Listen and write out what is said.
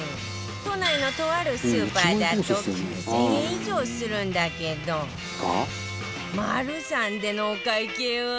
都内のとあるスーパーだと９０００円以上するんだけどマルサンでのお会計は